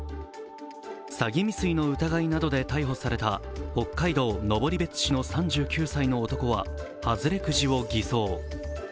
詐欺未遂の疑いなどで逮捕された北海道登別市の３９歳の男は外れくじを偽造。